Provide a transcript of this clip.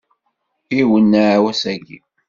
Iwenneɛ wass-aki.